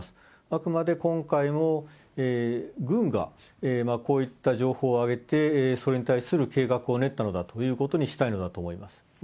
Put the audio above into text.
あくまで今回も軍がこういった情報を上げて、それに対する計画を練ったのだということにしたいのだと思います。